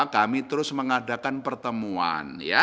kami terus mengadakan pertemuan